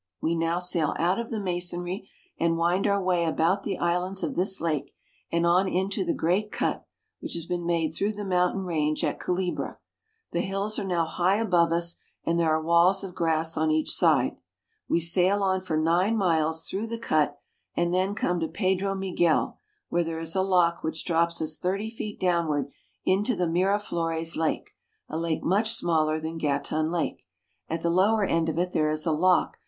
We now sail out of the masonry, and wind our way about the islands of this lake, and on into the great cut which has been made through the mountain range at Cule bra. The hills are now high above us, and there are walls of grass on each side. We sail on for nine miles through the cut, and then come to Pedro Miguel, where there is a lock which drops us thirty feet downward into the Mira flores Lake, a lake much smaller than Gatun Lake.